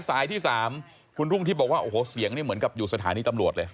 สายที่๓คุณรุ่งทิพย์บอกว่าโอ้โหเสียงนี่เหมือนกับอยู่สถานีตำรวจเลย